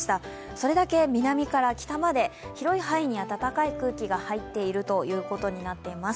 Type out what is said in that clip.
それだけ南から北まで広い範囲に暖かい空気が入っているということになっています。